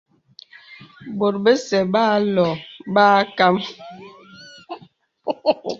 Bòt bəsɛ̄ bə âlɔ bə âkam.